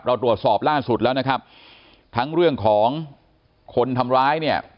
เราตรวจสอบล่าสุดแล้วนะครับทั้งเรื่องของคนทำร้ายเนี่ย